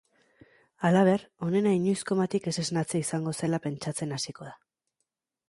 Halaber, onena inoiz komatik ez esnatzea izango zela pentsatzen hasiko da.